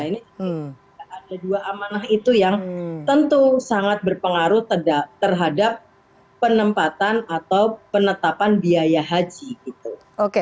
ini ada dua amanah itu yang tentu sangat berpengaruh terhadap penempatan atau penetapan biaya haji gitu